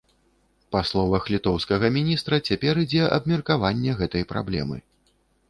Па словах літоўскага міністра, цяпер ідзе абмеркаванне гэтай праблемы.